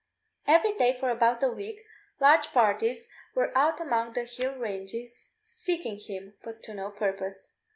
Every day for about a week large parties were out among the hill ranges seeking him, but to no purpose.